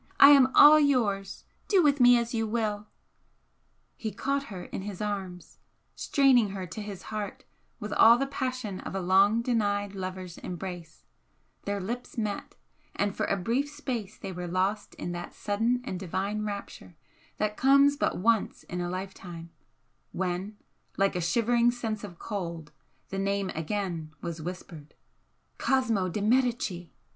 I am all yours! do with me as you will!" He caught her in his arms straining her to his heart with all the passion of a long denied lover's embrace their lips met and for a brief space they were lost in that sudden and divine rapture that comes but once in a lifetime, when like a shivering sense of cold the name again was whispered: "Cosmo de Medicis!"